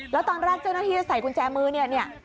แล้วตอนแรกเจ้าหน้าที่จะใส่กุญแจมือเนี่ย